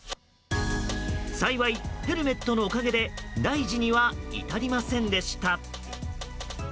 幸い、ヘルメットのおかげで大事には至りませんでした。